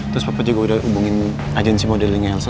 terus papa juga udah hubungin agensi modelingnya elsa